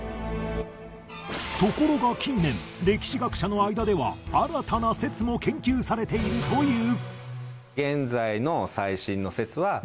ところが近年歴史学者の間では新たな説も研究されているという